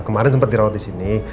kemarin sempet dirawat disini